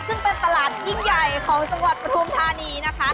ซึ่งเป็นตลาดยิ่งใหญ่ของจังหวัดปฐุมธานีนะคะ